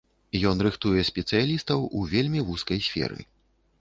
Ён рыхтуе спецыялістаў у вельмі вузкай сферы.